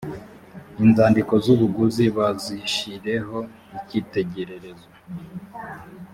inzandiko z’ubuguzi bazishyireho icyitegererezo